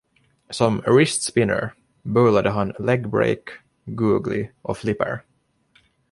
Som ”wrist-spinner”, bowlade han ”legbreak”, ”googly” och ”flipper”.